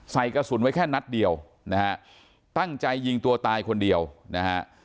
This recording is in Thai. ใส่กระสุนไว้แค่นัดเดียวนะฮะตั้งใจยิงตัวตายคนเดียวนะฮะ